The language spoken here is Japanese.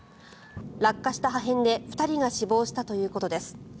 落下した破片で２人が死亡したということです。